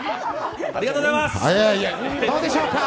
どうでしょうか？